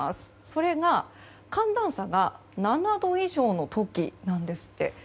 それが、寒暖差が７度以上の時なんですって。